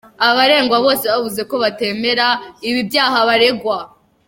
Abaregwa bose bavuze ko batemera ibi byaha baregwa.